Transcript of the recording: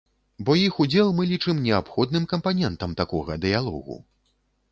Бо іх удзел мы лічым неабходным кампанентам такога дыялогу.